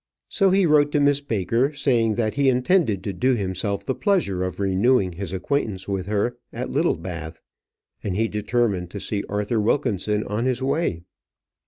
So he wrote to Miss Baker, saying that he intended to do himself the pleasure of renewing his acquaintance with her at Littlebath, and he determined to see Arthur Wilkinson on his way.